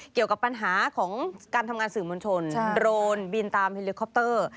เกี่ยวกับปัญหาของการทำงานสื่อมวลชนโรนบินตามเฮลิคอปเตอร์